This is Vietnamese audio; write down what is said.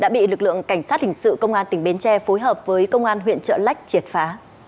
đã bị lực lượng cảnh sát hình sự công an tỉnh bến tre phối hợp với công an huyện trợ lách triệt phá